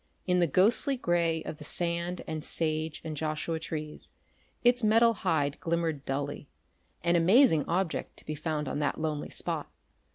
In the ghostly gray of the sand and sage and joshua trees its metal hide glimmered dully an amazing object to be found on that lonely spot.